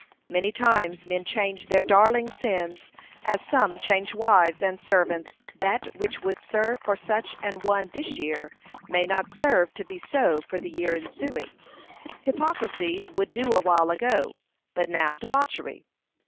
Many times men change their darling sins, as some change their wives and servants: that which would serve for such an one this year may not serve to be so for the year ensuing. Hypocrisy would do awhile ago, but now debauchery.